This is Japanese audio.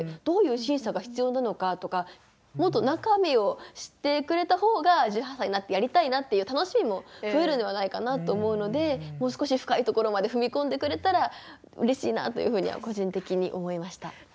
どういう審査が必要なのかとかもっと中身を知ってくれた方が１８歳になってやりたいなっていう楽しみも増えるんではないかなと思うのでもう少し深いところまで踏み込んでくれたらうれしいなというふうには個人的に思いました。